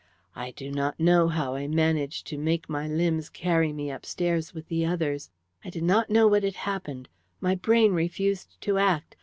I do not know how I managed to make my limbs carry me upstairs with the others. I did not know what had happened. My brain refused to act.